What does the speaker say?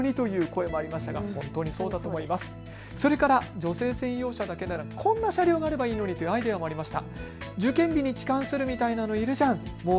女性専用車だけでなくこんな車両があればいいのにというアイデアもありました。